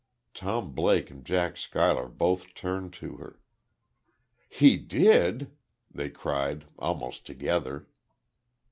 Tom Blake and Jack Schuyler both turned to her. "He did!" they cried almost together.